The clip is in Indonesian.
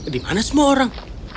di mana semua orang